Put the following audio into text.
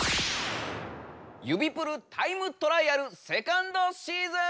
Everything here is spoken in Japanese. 指プルタイムトライアルセカンドシーズン！